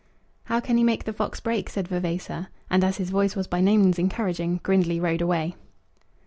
"How can he make the fox break?" said Vavasor; and as his voice was by no means encouraging Grindley rode away.